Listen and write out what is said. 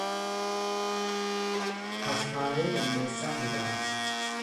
Tasfaayee Lammeessaa Hedaa